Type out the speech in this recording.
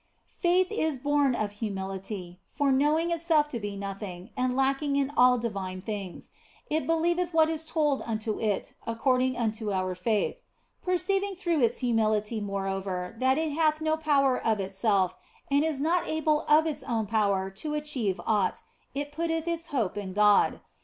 Faith is born of humility, for knowing itself to be nothing, and lacking in all divine things, it believeth what is told unto it according unto our faith. Per ceiving through its humility, moreover, that it hath no power of itself and is not able by its own power to achieve aught, it putteth its hope in God.